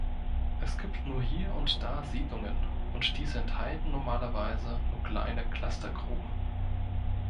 Es gibt nur hier und da Siedlungen, und diese enthalten normalerweise nur kleine Clustergruben.